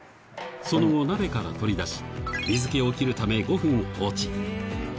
その後、鍋から取り出し、水気を切るため５分放置。